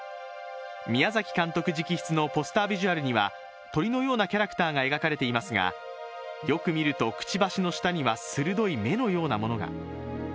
宮崎監督直筆のポスタービジュアルには、鳥のようなキャラクターが描かれていますが、よく見ると、くちばしの下には鋭い目のようなものが。